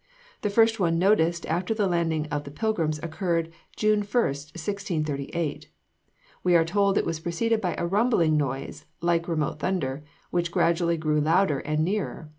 The first one noticed after the landing of the Pilgrims occurred June 1, 1638. We are told it was preceded by a rumbling noise like remote thunder, which gradually grew louder and nearer.